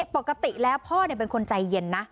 ปกติแล้วพ่อเป็นคนใจเย็นนะ